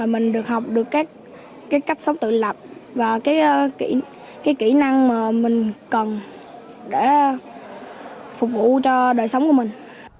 mình được học được các cái cách sống tự lập và cái kỹ năng mà mình cần để phục vụ cho đời sống của mình